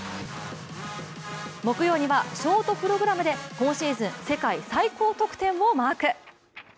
木曜にはショートプログラムで今シーズン世界最高得点をマーク。